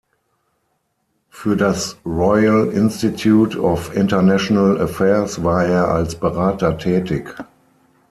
Für das Royal Institute of International Affairs war er als Berater tätig.